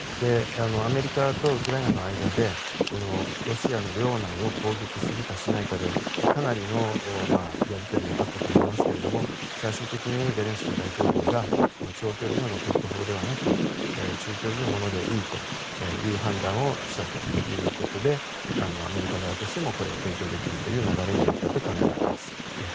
アメリカとウクライナの間でロシアの領内を攻撃するかしないかでかなりのやり取りがあったと思いますけれども最終的にゼレンスキー大統領が長距離のロケット砲ではなく中距離のものでいいという判断をしたということでアメリカ側としてもこれを提供できるという流れになったと考えられます。